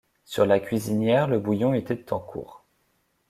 Sur la cuisinière le bouillon était en cours